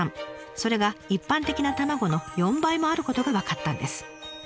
それが一般的な卵の４倍もあることが分かったんです。